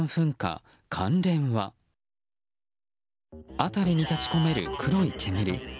辺りに立ち込める黒い煙。